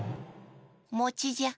もちじゃ。